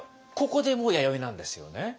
ここでもう「弥生」なんですよね。